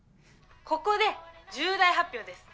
ここで重大発表です。